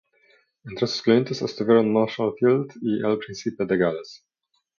Entre sus clientes estuvieron Marshall Field y el Príncipe de Gales.